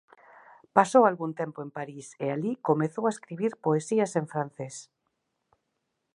Pasou algún tempo en París e alí comezou a escribir poesías en francés.